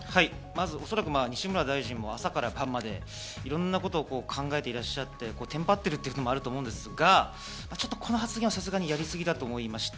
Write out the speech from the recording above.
おそらく西村大臣は朝から晩までいろんなことを考えていらっしゃって、テンパってる部分もあると思うんですが、あの発言はさすがにやりすぎだと思いました。